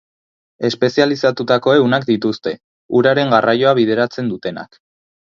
Espezializatutako ehunak dituzte, uraren garraioa bideratzen dutenak.